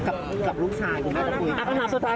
ไม่ปล่อยอีกหนูครับ